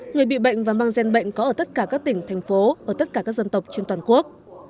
người bị bệnh và mang gen bệnh có ở tất cả các tỉnh thành phố ở tất cả các dân tộc trên toàn quốc